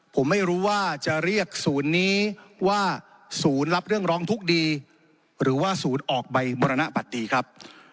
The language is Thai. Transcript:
ผมไม่รู้ว่าจะเรียกศูนย์นี้ว่าศูนย์รับเรื่องร้องทุกข์ดีหรือว่าศูนย์ออกใบมรณบัตรดีครับ